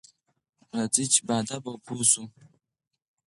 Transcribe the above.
راځئ چې باادبه او پوه شو.